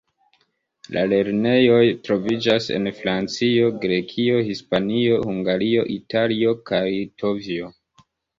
La lernejoj troviĝas en Francio, Grekio, Hispanio, Hungario, Italio kaj Litovio.